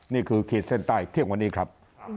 นี่คือเขตเส้นใต้เที่ยงวันนี้ครับ